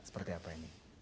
seperti apa ini